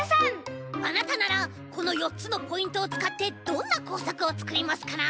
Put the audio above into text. あなたならこの４つのポイントをつかってどんなこうさくをつくりますかな？